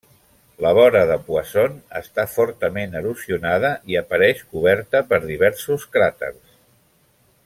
La vora de Poisson està fortament erosionada, i apareix coberta per diversos cràters.